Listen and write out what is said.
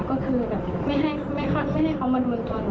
ก็คือไม่ให้เขามาดูลตัวหนู